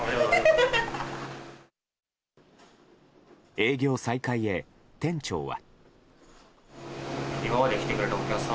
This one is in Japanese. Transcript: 営業再開へ、店長は。